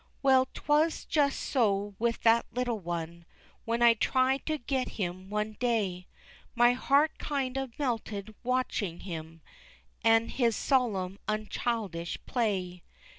Well, 'twas just so with that little one When I tried to get him one day, My heart kind of melted watching him At his solemn unchildish play.